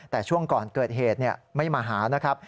แต่ช่วงก่อนเกิดเหตุไม่มาหานะครับ